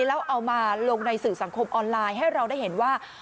แล้วเอามาลงในสื่อสังคมออนไลน์ให้เราได้เห็นว่า